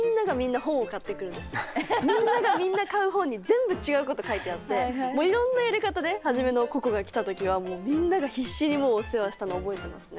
みんながみんな買う本に全部違うこと書いてあっていろんなやり方で初めのＣｏＣｏが来た時はもうみんなが必死にお世話をしたのを覚えてますね。